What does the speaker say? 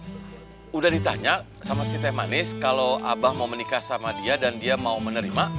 sudah ditanya sama si teh manis kalau abah mau menikah sama dia dan dia mau menerima